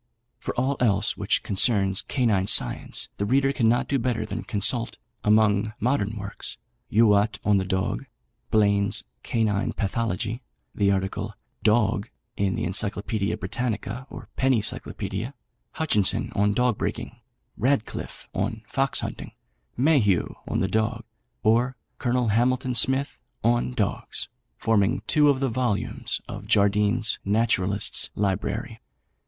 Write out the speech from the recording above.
For all else which concerns Canine Science the reader cannot do better than consult, among modern works, "Youatt on the Dog," "Blaine's Canine Pathology," the article "Dog" in the Encyclopædia Britannica or Penny Cyclopædia, "Hutchinson on Dog Breaking," "Radcliffe on Fox Hunting," "Mayhew on the Dog," or, "Colonel Hamilton Smith on Dogs," forming two of the vols. of Jardine's Naturalists' Library.